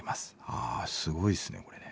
あすごいっすねこれね。